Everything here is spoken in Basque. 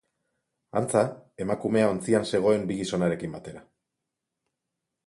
Antza, emakumea ontzian zegoen bi gizonarekin batera.